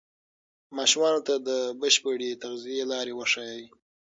ماشومانو ته د بشپړې تغذیې لارې وښایئ.